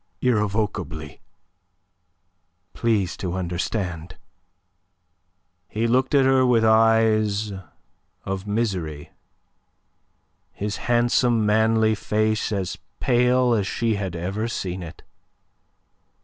irrevocably, please to understand." He looked at her with eyes of misery, his handsome, manly face as pale as she had ever seen it.